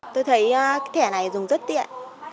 tôi thấy cái thẻ này dùng rất tiện